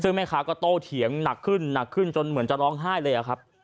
ซึ่งแม่ค้าก็โตเถียงหนักขึ้นหนักขึ้นจนเหมือนจะร้องไห้เลยอะครับ